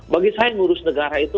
bagi saya ngurus negara itu